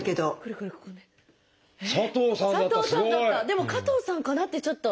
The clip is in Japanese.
でも「加藤さん」かなってちょっと。